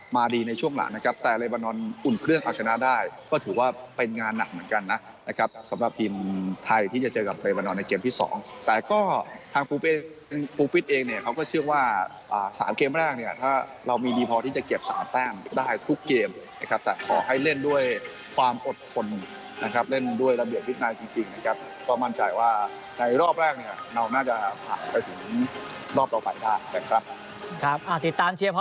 มาดีในช่วงหลังนะครับแต่เรย์บานอนอุ่นเครื่องเอาชนะได้ก็ถือว่าเป็นงานหนักเหมือนกันนะครับสำหรับทีมไทยที่จะเจอกับเรย์บานอนในเกมที่สองแต่ก็ทางเนี่ยเขาก็เชื่อว่าอ่าสารเกมแรกเนี่ยถ้าเรามีดีพอที่จะเก็บสารแต้มได้ทุกเกมนะครับแต่ขอให้เล่นด้วยความอดทนนะครับเล่นด้วยระเบียบดินไทยจริงจริ